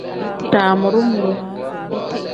Damuru-muru.